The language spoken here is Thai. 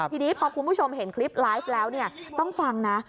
ทีนี้พอคุณผู้ชมเห็นคลิปไลฟ์แล้วต้องฟังนะ